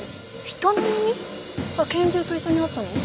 人の耳？が拳銃と一緒にあったの？